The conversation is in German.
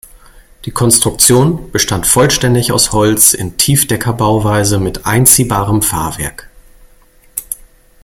Die Konstruktion bestand vollständig aus Holz in Tiefdecker-Bauweise mit einziehbarem Fahrwerk.